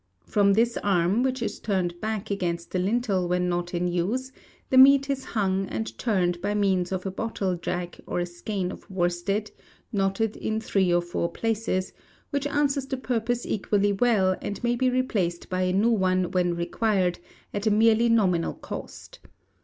From this arm, which is turned back against the lintel when not in use, the meat is hung and turned by means of a bottle jack or a skein of worsted, knotted in three or four places, which answers the purpose equally well, and may be replaced by a new one when required, at a merely nominal cost.